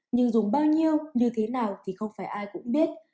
nhưng dùng bao nhiêu như thế nào thì không phải ai cũng biết